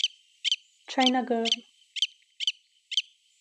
China Girl